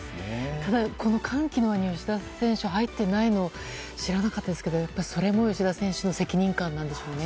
ただ、歓喜の輪に吉田選手が入っていないのは知らなかったですけどそれも吉田選手の責任感なんでしょうね。